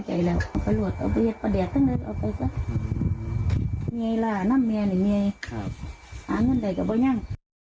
อาวุธกันเฟ้ยด้วยบ่อยงั้ง